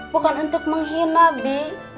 bukan untuk menghina bi